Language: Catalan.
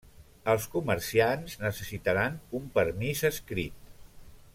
Els comerciants necessitaran un permís escrit.